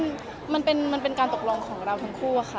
อ๋อจริงแล้วมันเป็นการตกลงของเราทั้งคู่ค่ะ